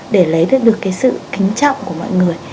để lấy được cái sự kính trọng của mọi người